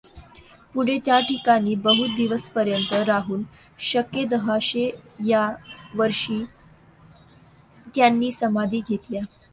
पुढें त्या ठिकाणीं बहुत दिवसपर्यंत राहून शके दहाशें या वर्षीं त्यांनीं समाधि घेतल्या.